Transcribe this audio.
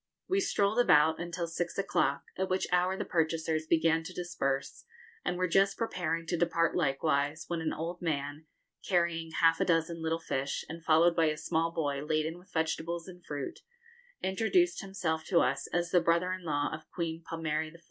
[Illustration: Chætodon Plagmance] We strolled about until six o'clock, at which hour the purchasers began to disperse, and were just preparing to depart likewise, when an old man, carrying half a dozen little fish, and followed by a small boy laden with vegetables and fruit, introduced himself to us as the brother in law of Queen Pomare IV.